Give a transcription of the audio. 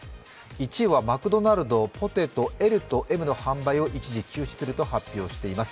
１位はマクドナルド、ポテトＬとＭの販売を一時休止すると発表しています。